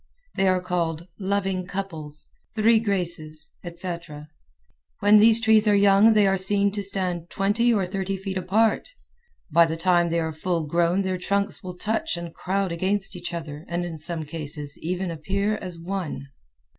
They are called "loving couples," "three graces," etc. When these trees are young they are seen to stand twenty or thirty feet apart, by the time they are full grown their trunks will touch and crowd against each other and in some cases even appear as one.